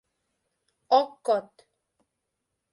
— Ок код.